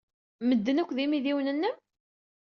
Medden-a akk d imidiwen-nnem?